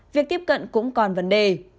việc tiếp cận cũng còn vấn đề